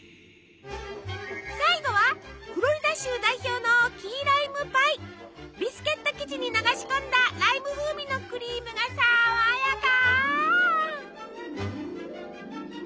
最後はフロリダ州代表のビスケット生地に流し込んだライム風味のクリームが爽やか！